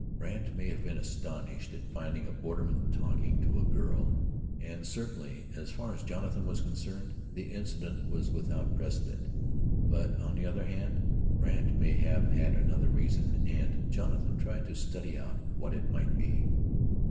Brandt may have been astonished at finding a borderman talking to a girl, and certainly, as far as Jonathan was concerned, the incident was without precedent. But, on the other hand, Brandt may have had another reason, and Jonathan tried to study out what it might be.